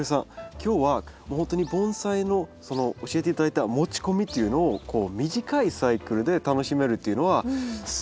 今日はほんとに盆栽の教えて頂いた持ち込みっていうのをこう短いサイクルで楽しめるというのはすごくいいなと思いました。